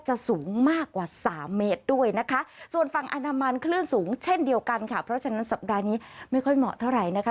ช่วงเช่นเดียวกันค่ะเพราะฉะนั้นสัปดาห์นี้ไม่ค่อยเหมาะเท่าไหร่นะคะ